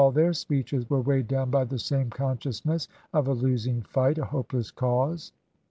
their speeches were weighed down by the same consciousness of a losing fight, a hopeless cause.